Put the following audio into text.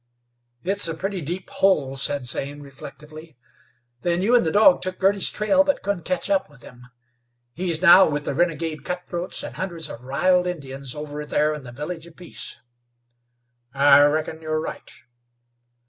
"It's a pretty deep hole," said Zane, reflectively. "Then, you and the dog took Girty's trail, but couldn't catch up with him. He's now with the renegade cutthroats and hundreds of riled Indians over there in the Village of Peace." "I reckon you're right."